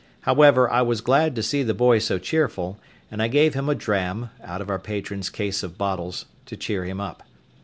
However, I was glad to see the boy so cheerful, and I gave him a dram (out of our patron's case of bottles) to cheer him up.